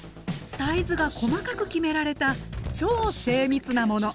サイズが細かく決められた超精密なもの。